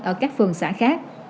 ở các phường xã khác